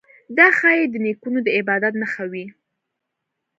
دا ښايي د نیکونو د عبادت نښه وي.